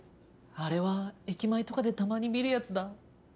あれは駅前とかでたまに見るやつだ。